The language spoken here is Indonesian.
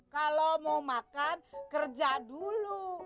kalau mau makan kerja dulu